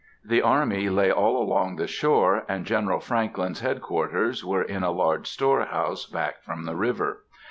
The army lay all along the shore, and General Franklin's head quarters were in a large storehouse back from the river.